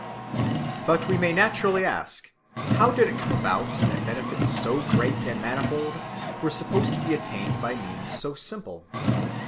But we naturally ask, How did it come about that benefits so great and manifold were supposed to be attained by means so simple?